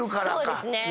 そうですね。